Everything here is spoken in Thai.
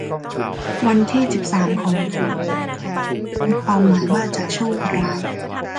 วันที่สิบสามของเดือนมีนาคมมีความหมายว่าจะโชคร้าย